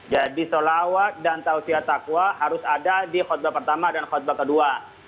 jadi sholawat dan tausiyah taqwa harus ada di khutbah pertama dan khutbah kedua